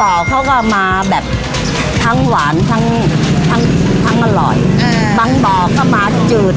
บ่อเขาก็มาแบบทั้งหวานทั้งทั้งอร่อยบางบ่อก็มาจืด